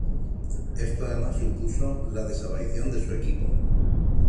Esto además supuso la desaparición de su equipo.